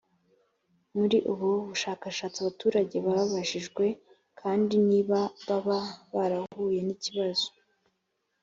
muri ubu bushakashatsi abaturage babajijwe kandi niba baba barahuye n ikibazo.